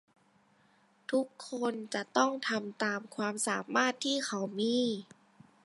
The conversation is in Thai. ทุกคนจะต้องทำตามความสามารถที่เขามี